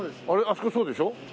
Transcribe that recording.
あれあそこそうでしょ？